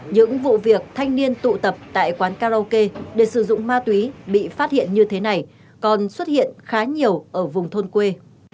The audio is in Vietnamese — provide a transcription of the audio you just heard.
những vụ việc thanh niên tụ tập tại quán karaoke để sử dụng ma túy bị phát hiện như thế này còn xuất hiện khá nhiều ở vùng thôn quê